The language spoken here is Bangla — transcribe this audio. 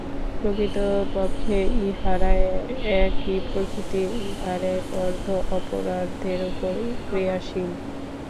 প্রকৃতপক্ষে ইহারা একই প্রকৃতি, ইহার এক অর্ধ অপরার্ধের উপর ক্রিয়াশীল।